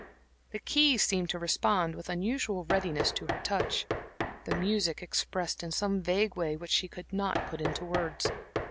The keys seemed to respond with unusual readiness to her touch, the music expressed in some vague way what she could not put into words.